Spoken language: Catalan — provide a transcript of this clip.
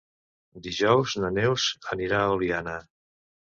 Dijous na Neus anirà a Oliana.